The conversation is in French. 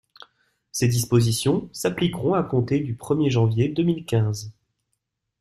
Ces dispositions s’appliqueront à compter du premier janvier deux mille quinze.